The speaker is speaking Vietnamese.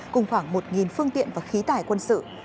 cùng khoảng một phương tiện và khí tải quân sự